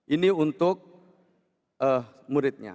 ini untuk muridnya